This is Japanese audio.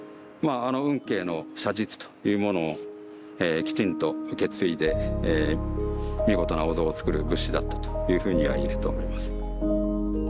まああの運慶の写実というものをえきちんと受け継いで見事なお像をつくる仏師だったというふうには言えると思います。